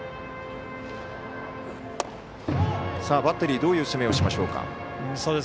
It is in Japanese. バッテリーどういう攻めをしましょうか。